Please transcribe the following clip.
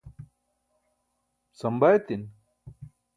samba etin